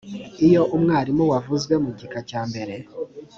iyo umwarimu wavuzwe mu gika cya mbere